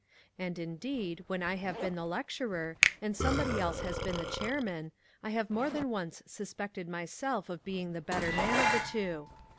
And indeed, when I have been the lecturer and somebody else has been the chairman, I have more than once suspected myself of being the better man of the two.